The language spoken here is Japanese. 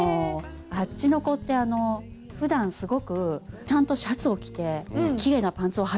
あっちの子ってふだんすごくちゃんとシャツを着てきれいなパンツをはいたりするんです。